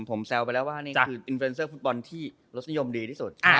ผมแซวไปแล้วว่านี่คืออินเฟรนเซอร์ฟุตบอลที่รสนิยมดีที่สุด